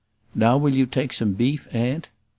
"Now will you take some beef, aunt?"